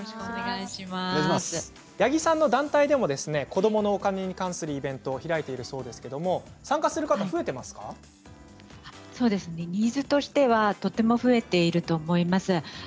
八木さんの団体でも子どものお金に関するイベントを開いているそうですけれども参加する方そうですねニーズとしてはとても増えていると思います。